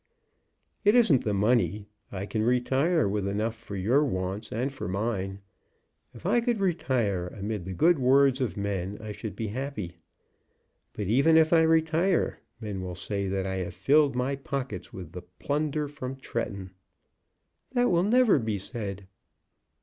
It isn't the money. I can retire with enough for your wants and for mine. If I could retire amid the good words of men I should be happy. But, even if I retire, men will say that I have filled my pockets with plunder from Tretton." "That will never be said."